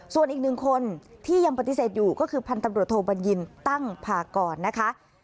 ส่วนอีกหนึ่งคนที่ยังปฏิเสธอยู่ก็คือพันตำรวจโทบัญญินตั้งพากรนะคะ